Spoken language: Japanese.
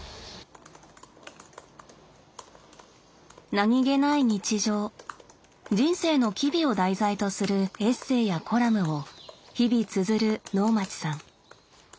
何気ない日常人生の機微を題材とするエッセーやコラムを日々綴る能町さん。